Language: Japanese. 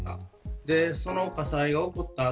そして火災が起こった。